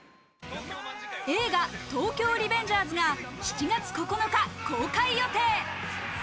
映画『東京リベンジャーズ』が７月９日、公開予定。